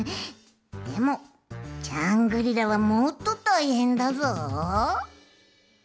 でもジャングリラはもっとたいへんだぞ！